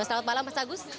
selamat malam mas agus